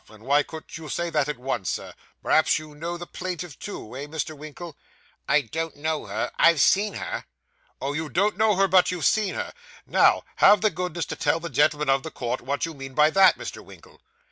And why couldn't you say that at once, Sir? Perhaps you know the plaintiff too? Eh, Mr. Winkle?' 'I don't know her; I've seen her.' 'Oh, you don't know her, but you've seen her? Now, have the goodness to tell the gentlemen of the jury what you mean by that, Mr. Winkle.